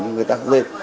nhưng người ta không lên